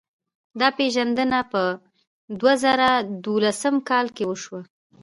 دا پېژندنه په دوه زره دولسم کال کې وشوه.